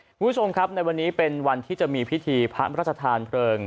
คุณผู้ชมครับในวันนี้เป็นวันที่จะมีพิธีพระราชทานเพลิง